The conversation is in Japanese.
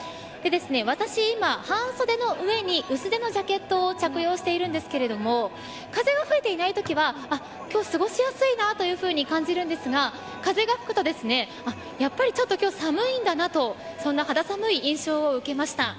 私、今、半袖の上に薄手のジャケットを着用しているんですけれども風が吹いていないときは今日、過ごしやすいなというふうに感じるんですが風が吹くとですね、やっぱりちょっと今日寒いんだなとそんな肌寒い印象を受けました。